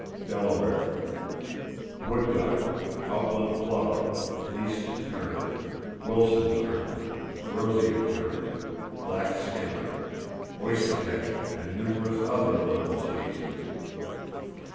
Delaware: Wood duck, upland plover, least tern, Wilson tern, roseate tern, black skimmer, oystercatcher, and numerous other littoral species.